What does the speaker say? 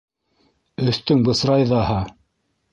Өҫтөң бысрай ҙаһа!